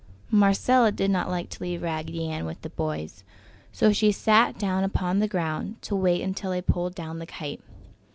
Marcella did not like to leave Raggedy Ann with the boys, so she sat down upon the ground to wait until they pulled down the kite.